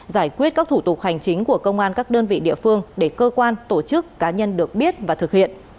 giải quyết các thủ tục hành chính của công an các đơn vị địa phương để cơ quan tổ chức cá nhân được biết và thực hiện